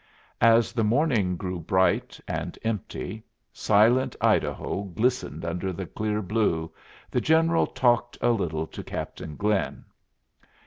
As the morning grew bright, and empty, silent Idaho glistened under the clear blue, the General talked a little to Captain Glynn.